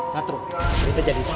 katro kita jadi takut